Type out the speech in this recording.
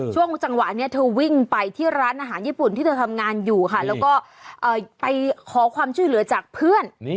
ช่วงจังหวะนี้เธอวิ่งไปที่ร้านอาหารญี่ปุ่นที่เธอทำงานอยู่ค่ะแล้วก็ไปขอความช่วยเหลือจากเพื่อน